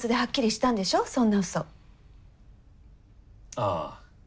ああ。